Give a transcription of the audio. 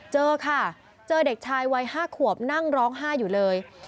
เจอค่ะเจอเด็กชายวัย๕ขวบนั่งร้องไห้อยู่เลย